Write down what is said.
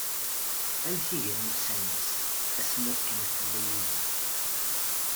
Amek i gan wussan-is, ass mi akken tella yid-k.